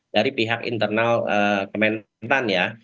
dari pihak internal kementan ya